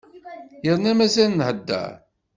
Yerna mazal nhedder.